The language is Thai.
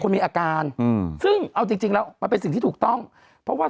มีอาการอืมซึ่งเอาจริงจริงแล้วมันเป็นสิ่งที่ถูกต้องเพราะว่า